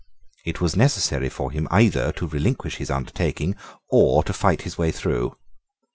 It was necessary for him either to relinquish his undertaking or to fight his way through.